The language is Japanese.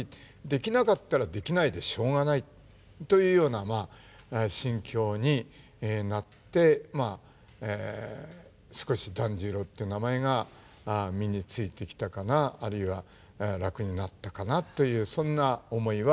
できなかったらできないでしょうがないというような心境になって少し團十郎って名前が身についてきたかなあるいは楽になったかなというそんな思いはあります。